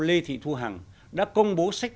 lê thị thu hằng đã công bố sách